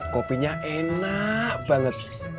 kopinya enak banget